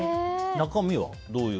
中身はどういう？